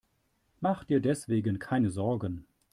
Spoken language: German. Mach dir deswegen keine Sorgen.